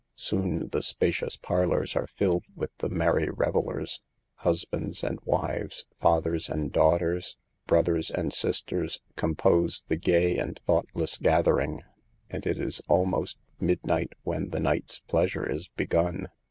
Soon the spa cious parlors are filled with the merry revel lers ; husbands and wives, fathers and daugh ters, brothers and sisters, compose the gay and thoughtless gathering; and it is almost mid night when the night's pleasure is begun.